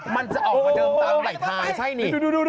มันจะออกมาเดิมตามไหลทางใช่นี่